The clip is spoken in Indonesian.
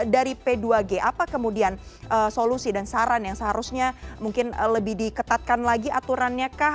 dari p dua g apa kemudian solusi dan saran yang seharusnya mungkin lebih diketatkan lagi aturannya kah